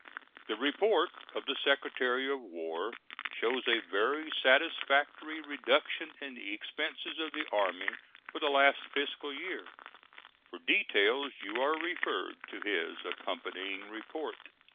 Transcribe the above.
The report of the Secretary of War shows a very satisfactory reduction in the expenses of the Army for the last fiscal year. For details you are referred to his accompanying report.